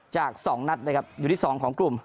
จาก๒นัดนะครับอยู่ที่๒ของกลุ่ม